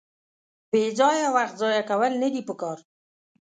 بېځایه وخت ځایه کول ندي پکار.